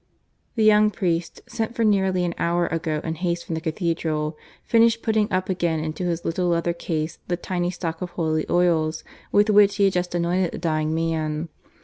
The young priest, sent for nearly an hour ago in haste from the Cathedral, finished putting up again into his little leather case the tiny stocks of holy oil with which he had just anointed the dying man.